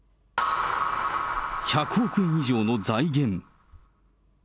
１００億円以上の財源。